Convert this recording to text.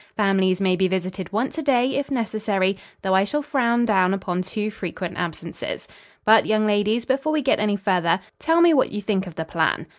Families may be visited once a day, if necessary, though I shall frown down upon too frequent absences. But, young ladies, before we get any further, tell me what you think of the plan?"